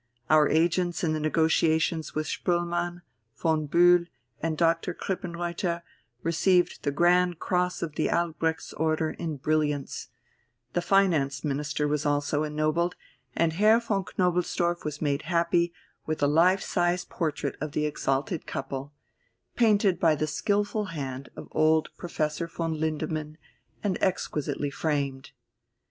Our agents in the negotiations with Spoelmann, von Bühl and Dr. Krippenreuther, received the Grand Cross of the Albrechts Order in brilliants; the Finance Minister was also ennobled, and Herr von Knobelsdorff was made happy with a life size portrait of the exalted couple painted by the skilful hand of old Professor von Lindemann and exquisitely framed.